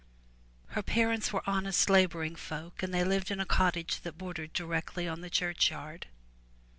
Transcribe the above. Her parents were honest laboring folk and they lived in a cottage that bordered directly on the churchyard.